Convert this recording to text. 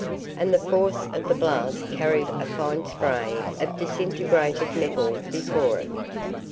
And the force of the blast carried a fine spray of disintegrated metal before it.